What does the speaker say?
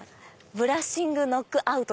ブラッシングノックアウト。